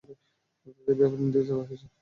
অর্থাৎ এ ব্যাপারে নির্দেশ দেওয়া হয়ে গেছে।